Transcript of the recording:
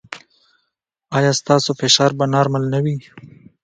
ایا ستاسو فشار به نورمال نه وي؟